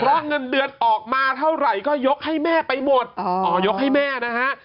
เพราะเงินเดือนออกมาเท่าไหร่ก็ยกให้แม่ไปหมดอ๋อยกให้แม่นะฮะ